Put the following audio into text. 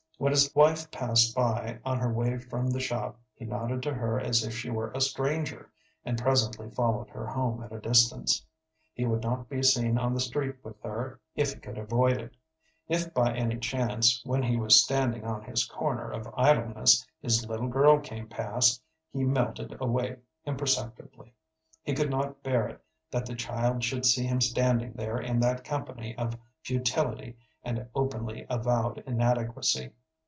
When his wife passed by on her way from the shop he nodded to her as if she were a stranger, and presently followed her home at a distance. He would not be seen on the street with her if he could avoid it. If by any chance when he was standing on his corner of idleness his little girl came past, he melted away imperceptibly. He could not bear it that the child should see him standing there in that company of futility and openly avowed inadequacy.